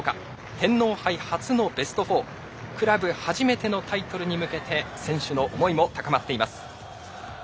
天皇杯初のベスト４クラブ始めてのタイトルに向けて選手の思いも高まっています。